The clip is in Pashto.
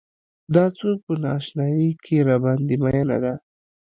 دا څوک په نا اشنايۍ کې راباندې مينه ده.